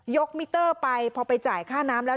มิเตอร์ไปพอไปจ่ายค่าน้ำแล้ว